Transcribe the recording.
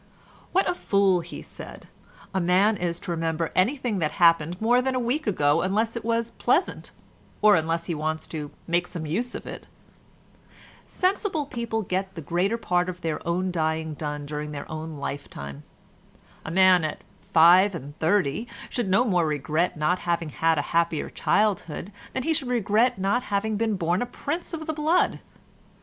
"What a fool," he said, "a man is to remember anything that happened more than a week ago unless it was pleasant, or unless he wants to make some use of it. "Sensible people get the greater part of their own dying done during their own lifetime. A man at five and thirty should no more regret not having had a happier childhood than he should regret not having been born a prince of the blood.